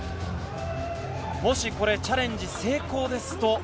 もしこれチャレンジ成功ですと。